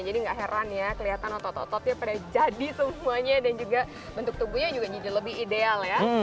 jadi nggak heran ya kelihatan otot ototnya pada jadi semuanya dan juga bentuk tubuhnya juga jadi lebih ideal ya